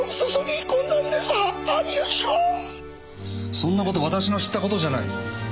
そんなことは私の知ったことじゃない。